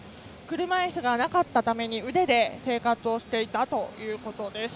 車いすがなかったために、腕で生活をしていたということです。